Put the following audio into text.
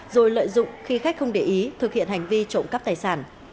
rồi lợi dụng khi khách không để ý thực hiện hành vi trộm cắp tài sản